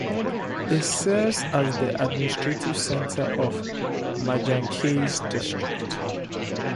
It serves as the administrative center of Manjacaze District.